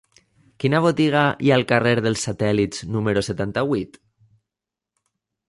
Quina botiga hi ha al carrer dels Satèl·lits número setanta-vuit?